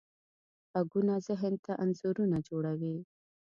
غږونه ذهن ته انځورونه جوړوي.